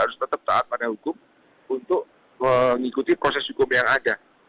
harus tetap taat pada hukum untuk mengikuti proses hukum yang ada